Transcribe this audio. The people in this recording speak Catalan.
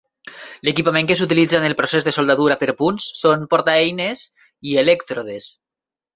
L'equipament que s'utilitza en el procés de soldadura per punts són portaeines i elèctrodes.